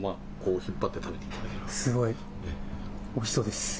すごいおいしそうです。